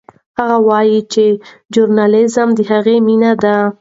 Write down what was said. هغه وایي چې ژورنالیزم د هغه مینه ده.